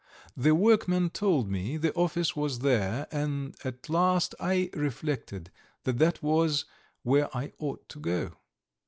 The workmen told me the office was there, and at last I reflected that that was where I ought to go.